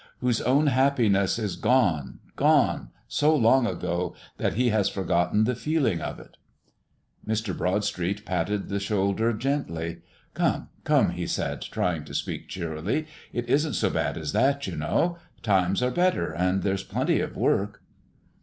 whose own happiness is gone, gone, so long ago that he has forgotten the feeling of it?" Mr. Broadstreet patted the shoulder gently. "Come, come," he said, trying to speak cheerily; "it isn't so bad as that, you know. Times are better, and there's plenty of work."